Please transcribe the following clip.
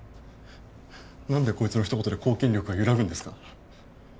なんでこいつのひと言で公権力が揺らぐんですか？